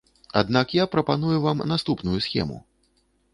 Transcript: Аднак я прапаную вам наступную схему.